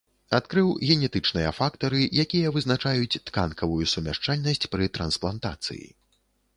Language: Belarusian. Адкрыў генетычныя фактары, якія вызначаюць тканкавую сумяшчальнасць пры трансплантацыі.